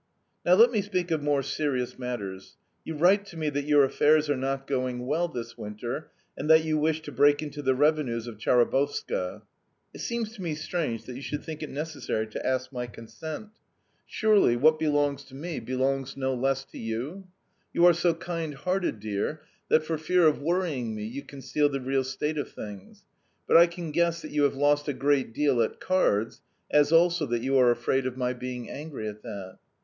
"Now let me speak of more serious matters. You write to me that your affairs are not going well this winter, and that you wish to break into the revenues of Chabarovska. It seems to me strange that you should think it necessary to ask my consent. Surely what belongs to me belongs no less to you? You are so kind hearted, dear, that, for fear of worrying me, you conceal the real state of things, but I can guess that you have lost a great deal at cards, as also that you are afraid of my being angry at that.